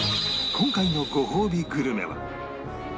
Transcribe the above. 今回のごほうびグルメは